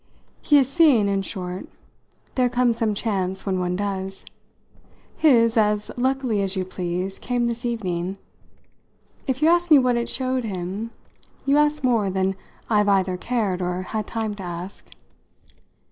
"He has seen, in short; there comes some chance when one does. His, as luckily as you please, came this evening. If you ask me what it showed him you ask more than I've either cared or had time to ask.